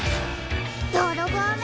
どろぼうめ！